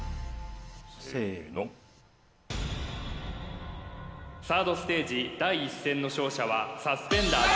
せーのサードステージ第１戦の勝者はサスペンダーズです